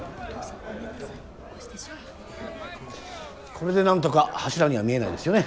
これでなんとか柱には見えないですよね？